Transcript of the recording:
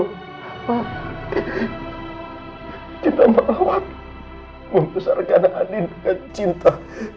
ma kita melawat membesarkan adin dengan cinta